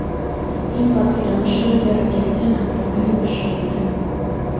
Հին պատկերանշանը դեռ ընկերության ապրանքային նշանն է։